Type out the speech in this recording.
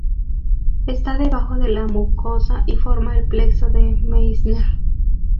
Está debajo de la mucosa y forma el plexo de Meissner.